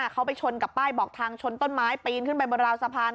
เขาไปชนกับป้ายบอกทางชนต้นไม้ปีนขึ้นไปบนราวสะพาน